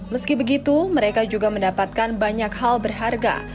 meski begitu mereka juga mendapatkan banyak hal berharga